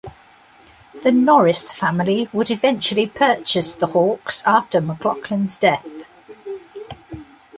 The Norris family would eventually purchase the Hawks after McLaughlin's death.